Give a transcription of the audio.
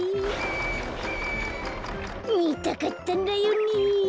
みたかったんだよね。